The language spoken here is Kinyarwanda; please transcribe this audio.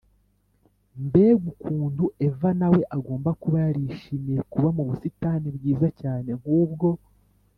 Mbega ukuntu Eva na we agomba kuba yarishimiye kuba mu busitani bwiza cyane nk ubwo